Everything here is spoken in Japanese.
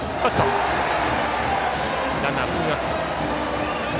ランナー、進みます。